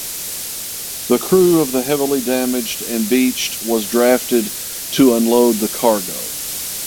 The crew of the heavily damaged and beached was drafted to unload the cargo.